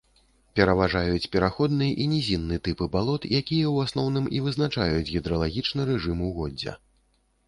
Пераважаюць пераходны і нізінны тыпы балот, якія ў асноўным і вызначаюць гідралагічны рэжым угоддзя.